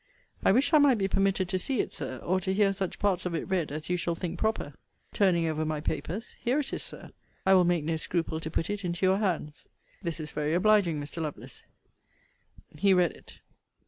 I wish I might be permitted to see it, Sir, or to hear such parts of it read as you shall think proper. Turning over my papers, Here it is, Sir.* I will make no scruple to put it into your hands. This is very obliging, Mr. Lovelace. He read it.